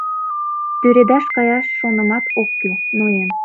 Тӱредаш каяш шонымат ок кӱл, ноен.